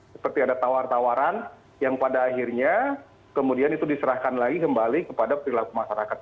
seperti ada tawar tawaran yang pada akhirnya kemudian itu diserahkan lagi kembali kepada perilaku masyarakat